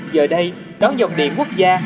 giờ đây đóng dọc điện quốc gia